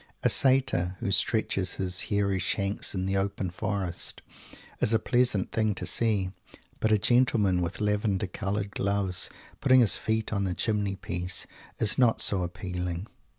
A Satyr who stretches his hairy shanks in the open forest is a pleasant thing to see; but a gentleman, with lavender colored gloves, putting his feet on the chimney piece is not so appealing.